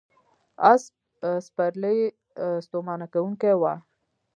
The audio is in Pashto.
آس سپرلي ستومانه کوونکې وه.